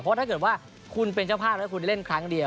เพราะถ้าเกิดว่าคุณเป็นเจ้าภาพแล้วคุณเล่นครั้งเดียว